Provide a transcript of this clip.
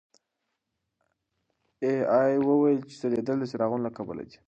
اې ای وویل چې ځلېدل د څراغونو له کبله دي.